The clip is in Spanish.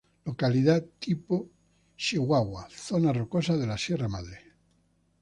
Localidad tipo: Chihuahua: Zonas rocosas dela Sierra Madre.